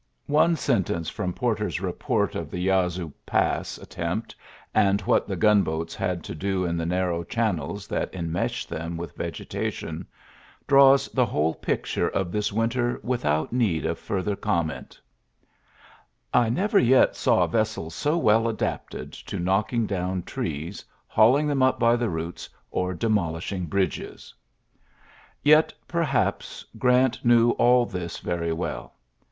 One sentence from Porter's report of the Yazoo Pass attempt, and what the gunboats had to do in the narrow chan nels that enmeshed them with vegeta tion, draws the whole picture of this winter without need of further com ment : "I never yet saw vessels so well adapted to knocking down trees, hauling them up by the roots, or demolishing bridges." Yet, perhaps, Grant knew all this very well.